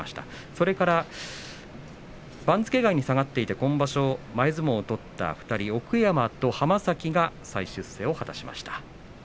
それから番付下位に下がっていて今場所、前相撲を取った２人奥山と濱崎が再出世を果たしました。